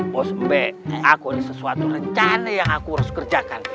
bos mbe aku ini sesuatu rencana yang aku harus kerjakan